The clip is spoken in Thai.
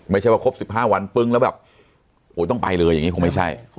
ไม่ใช่ว่าครบ๑๕วันปึ้งแล้วแบบโอ้โหต้องไปเลยอย่างนี้คงไม่ใช่